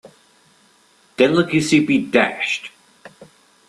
Delicacy be dashed.